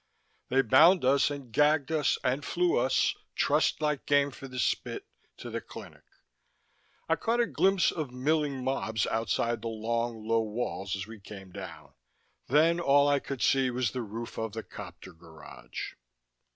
They bound us and gagged us and flew us, trussed like game for the spit, to the clinic. I caught a glimpse of milling mobs outside the long, low walls as we came down. Then all I could see was the roof of the copter garage.